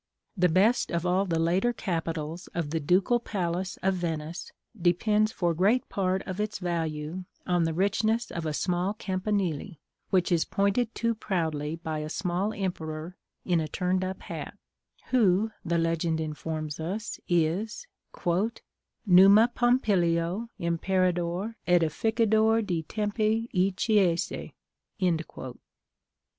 The best of all the later capitals of the Ducal Palace of Venice depends for great part of its value on the richness of a small campanile, which is pointed to proudly by a small emperor in a turned up hat, who, the legend informs us, is "Numa Pompilio, imperador, edifichador di tempi e chiese." § XII.